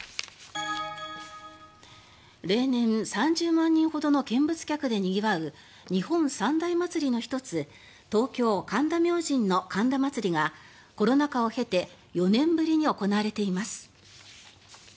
例年３０万人ほどの見物客でにぎわう日本三大祭りの１つ東京・神田明神の神田祭がコロナ禍を経て４年ぶりに行われています。